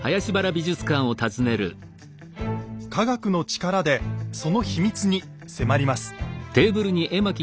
科学の力でその秘密に迫ります。